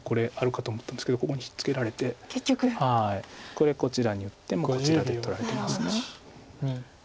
これこちらに打ってもこちらで取られてます。